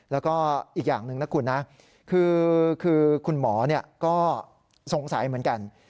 แล้วก็อีกอย่างหนึ่งนะคุณนะคือคุณหมอก็สงสัยเหมือนกัน